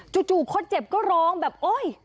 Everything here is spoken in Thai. จู่คนเจ็บก็ร้องแบบโอ๊ย